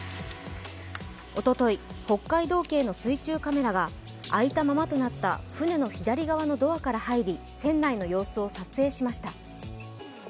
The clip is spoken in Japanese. おととい、北海道警の水中カメラが開いたままとなった船の左側のドアから入り、船内の様子を撮影しました。